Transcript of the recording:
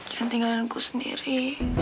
jangan tinggal dengan ku sendiri